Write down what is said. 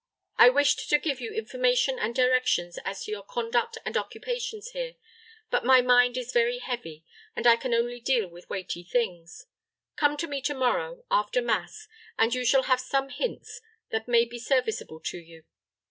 I wished to give you information and directions as to your conduct and occupations here; but my mind is very heavy, and can only deal with weighty things. Come to me to morrow, after mass, and you shall have some hints that may be serviceable to you.